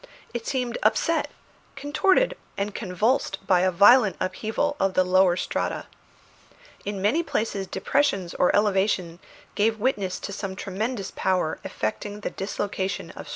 It seemed upset, contorted, and convulsed by a violent upheaval of the lower strata. In many places depressions or elevations gave witness to some tremendous power effecting the dislocation of strata.